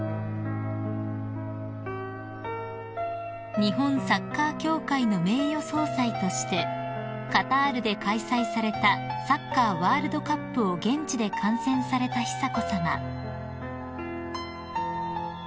［日本サッカー協会の名誉総裁としてカタールで開催されたサッカーワールドカップを現地で観戦された久子さま］